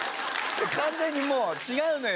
完全にもう違うのよ。